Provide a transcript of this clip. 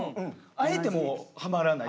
あえてハマらない。